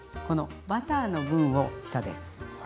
このバターの分を下です。